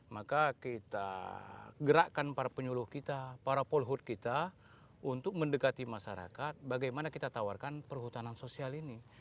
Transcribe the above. maka kita gerakkan para penyuluh kita para polhut kita untuk mendekati masyarakat bagaimana kita tawarkan perhutanan sosial ini